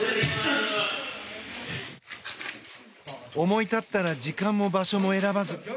思い立ったら時間も場所も選ばず。